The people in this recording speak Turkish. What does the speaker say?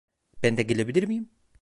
Ben de gelebilir miyim?